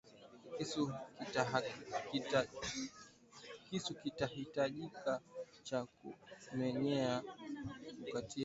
Kisu kitahitajika cha kumenyea na kukatia viazi lishe